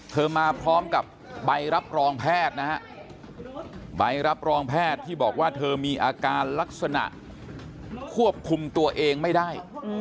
มาพร้อมกับใบรับรองแพทย์นะฮะใบรับรองแพทย์ที่บอกว่าเธอมีอาการลักษณะควบคุมตัวเองไม่ได้